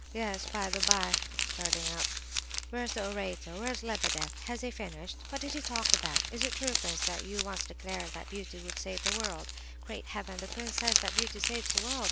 "Yes, by the by," starting up, "where's the orator? Where's Lebedeff? Has he finished? What did he talk about? Is it true, prince, that you once declared that 'beauty would save the world'? Great Heaven! The prince says that beauty saves the world!